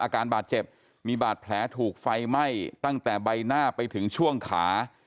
อาการบาดเจ็บมีบาดแผลถูกไฟไหม้ตั้งแต่ใบหน้าไปถึงช่วงขา